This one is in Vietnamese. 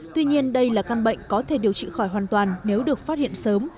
tuy nhiên đây là căn bệnh có thể điều trị khỏi hoàn toàn nếu được phát hiện sớm